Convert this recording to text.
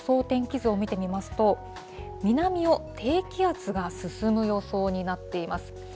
天気図を見てみますと、南を低気圧が進む予想になっています。